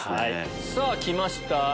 さぁ来ました。